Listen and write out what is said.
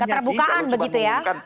keterbukaan begitu ya